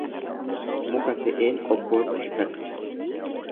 Muka se'een qobbootti hirkadhe.